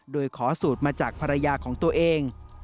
โดยขอสูตรมาจากภรรยาของตัวเอง